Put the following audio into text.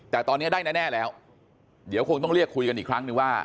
แต่ตอนนี้ได้แน่แล้วเดี๋ยวคงต้องเรียกคุยกันอีกครั้งนึงว่า